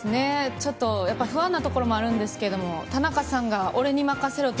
ちょっと、やっぱ不安なところもあるんですけど、田中さんが、俺に任せろと。